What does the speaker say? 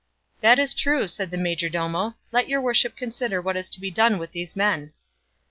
"That is true," said the majordomo; "let your worship consider what is to be done with these men."